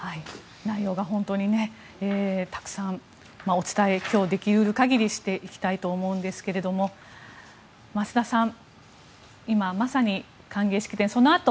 内容が本当にたくさんお伝え今日でき得る限りしていきたいと思うんですが増田さん、今まさに歓迎式典そのあと